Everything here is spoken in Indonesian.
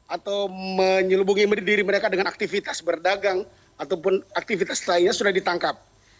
atau menyelubungi diri mereka dengan aktivitas berdagang ataupun aktivitas lainnya sudah ditangkap